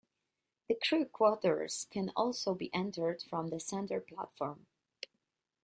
The crew quarters can also be entered from the center platform.